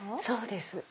そうです。